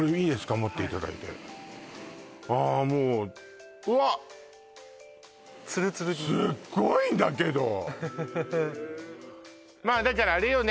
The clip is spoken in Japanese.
持っていただいてあもううわっツルツルにすっごいんだけどまあだからあれよね